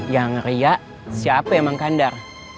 ya ngeriak siapa yang mengkandar